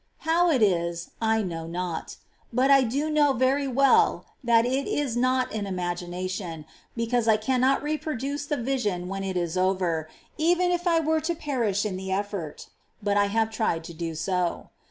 How it is, I know not ; but I do know very well that it is not an imagination, because I cannot reproduce the vision when it is over, even if I were to perish in the effort ; but I have tried to do so.